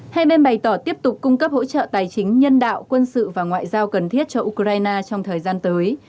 hai bên bày tỏ tiếp tục cung cấp hỗ trợ tài chính nhân đạo quân sự và ngoại giao cần thiết cho ukraine trong thời gian tới